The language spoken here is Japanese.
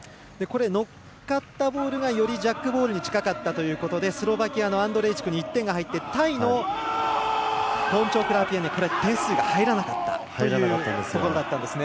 乗っかったボールがよりジャックボールに近かったということでスロバキアのアンドレイチクに１点が入ってタイのポーンチョーク・ラープイェンに点数が入らなかったということになったんですね。